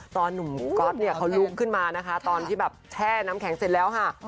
หนุ่มก๊อตเนี่ยเขาลุกขึ้นมานะคะตอนที่แบบแช่น้ำแข็งเสร็จแล้วค่ะ